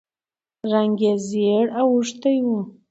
رنګ یې ژېړ اوښتی و.